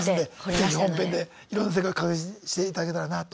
是非本編でいろんな世界を感じていただけたらなと。